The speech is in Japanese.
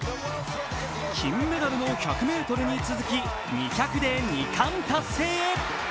金メダルの１００ｍに続き２００で２冠達成。